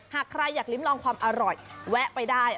หากใครอยากลิ้มลองความอร่อยแวะไปได้